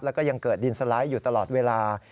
แล้วก็ยังเกิดดินสไลด์อยู่ตลอดเวลา